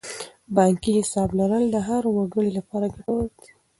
بانکي حساب لرل د هر وګړي لپاره ګټور دی.